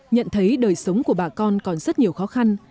nhận thấy đời sống của bà con còn rất nhiều khó khăn